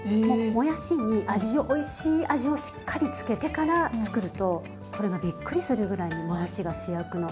もやしに味をおいしい味をしっかり付けてから作るとこれがびっくりするぐらいにもやしが主役の。